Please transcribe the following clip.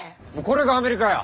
これがアメリカや。